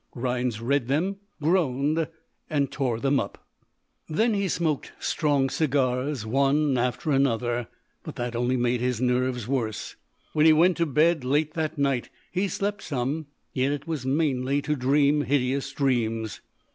Rhinds read them, groaned and tore up the messages. Then he smoked strong cigars, one after another, but that only made his nerves worse. When he went to bed, late that night, he slept some, yet it was mainly to dream hideous dreams.